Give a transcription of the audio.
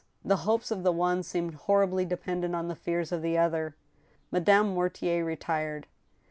The hopes of the one seemed horribly dependent on the fears of the other. Madame Mortier retired.